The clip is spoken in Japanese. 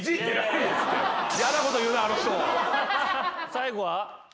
最後は？